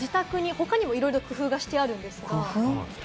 他にもいろいろ工夫があるんですが。